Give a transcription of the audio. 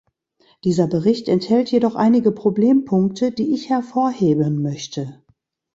Dieser Bericht enthält jedoch einige Problempunkte, die ich hervorheben möchte.